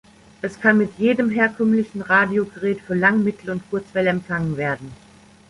Es kann mit jedem herkömmlichen Radiogerät für Lang-, Mittel- und Kurzwelle empfangen werden.